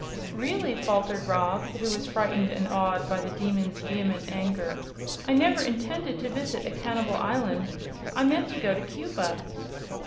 "Really," faltered Rob, who was frightened and awed by the Demon's vehement anger, "I never intended to visit a cannibal island. I meant to go to Cuba."